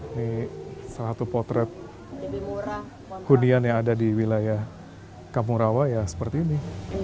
ini salah satu potret hunian yang ada di wilayah kampung rawa ya seperti ini